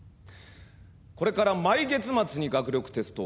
これから毎月末に学力テストを実施。